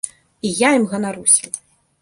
І я ім ганаруся.